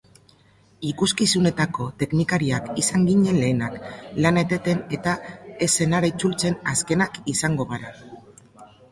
Ikuskizunetako teknikariak izan ginen lehenak lana eteten eta eszenara itzultzen azkenak izango gara.